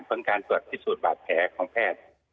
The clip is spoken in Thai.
ผลการตรวจที่สูดบาดแผลของแพทย์